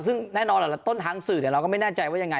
ซึ่งแน่นอนแหละต้นทางสื่อเราก็ไม่แน่ใจว่ายังไง